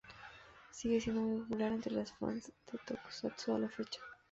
Sigue siendo muy popular entre los fans de tokusatsu a la fecha.